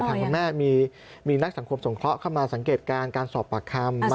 คุณแม่มีนักสังคมสงเคราะห์เข้ามาสังเกตการณ์การสอบปากคำ